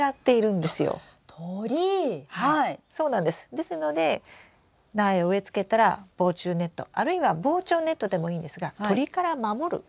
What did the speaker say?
ですので苗を植えつけたら防虫ネットあるいは防鳥ネットでもいいんですが鳥から守ることをしてください。